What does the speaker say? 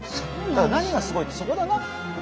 何がすごいってそこだな。